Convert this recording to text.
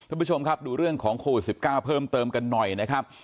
คุณผู้ชมครับดูเรื่องของโควิด๑๙เพิ่มเติมกันหน่อยนะครับ